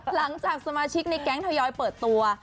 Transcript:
หลังจากสมาชิกในแก๊งทยอยเปิดตัว